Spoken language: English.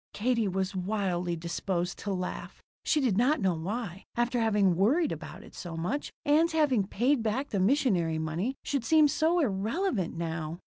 Katie was wildly disposed to laugh. She did not know why, after having worried about it so much, Ann's having paid back the missionary money should seem so irrelevant now.